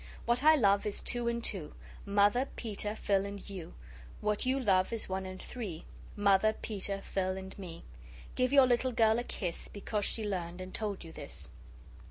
What I love is two and two, Mother, Peter, Phil, and you. What you love is one and three, Mother, Peter, Phil, and me. Give your little girl a kiss Because she learned and told you this.